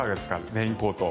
レインコート。